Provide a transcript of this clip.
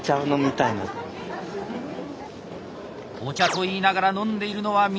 お茶と言いながら飲んでいるのは水！